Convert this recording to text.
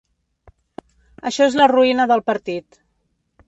Això és la ruïna del partit.